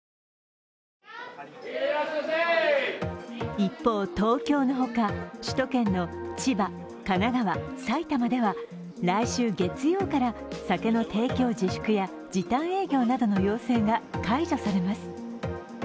一方、東京のほか首都圏の千葉、神奈川、埼玉では来週月曜から酒の提供自粛や時短営業などの要請が解除されます。